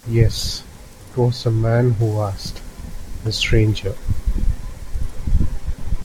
Yes, it was a man who asked, a stranger.